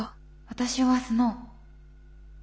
私はスノウ。